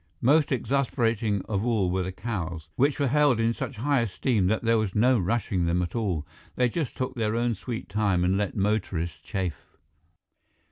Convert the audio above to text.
Most exasperating of all were the cows, which were held in such high esteem that there was no rushing them at all. They just took their own sweet time and let motorists chafe.